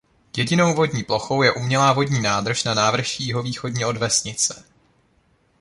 Jedinou vodní plochou je umělá vodní nádrž na návrší jihovýchodně od vesnice.